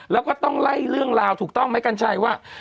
แล้วก็ต้องไล่เรื่องราวถูกต้องไหมกัญชัยว่า